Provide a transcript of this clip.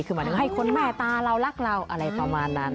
คือหมายถึงให้คนแม่ตาเรารักเราอะไรประมาณนั้น